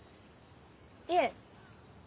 いえ。